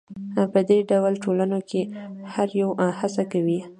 په دې ډول ټولنو کې هر یو هڅه کوي